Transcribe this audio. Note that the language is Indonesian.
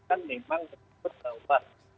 kan memang tersebut bahwa